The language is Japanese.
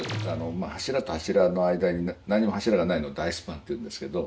柱と柱の間に何にも柱がないのを大スパンっていうんですけど。